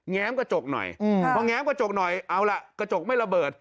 ้มกระจกหน่อยพอแง้มกระจกหน่อยเอาล่ะกระจกไม่ระเบิด